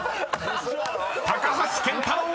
［橋健太郎